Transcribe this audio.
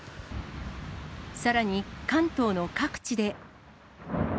さらに、関東の各地で。